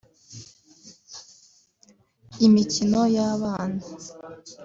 imikino y’abana